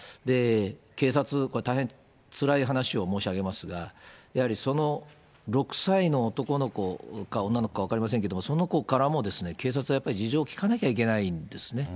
警察、これ大変つらい話を申し上げますが、やはりその６歳の男の子か女の子か分かりませんけれども、その子からも、警察はやっぱり事情を聴かなくちゃいけないんですね。